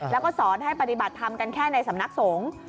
แล้วก็สอนให้ปฏิบัติธรรมกันแค่ในสำนักสงฆ์